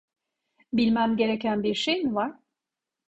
Bilmem gereken bir şey mi var?